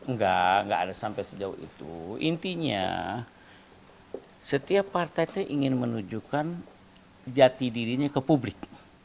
enggak enggak ada sampai sejauh itu intinya setiap partai itu ingin menunjukkan jati dirinya ke publik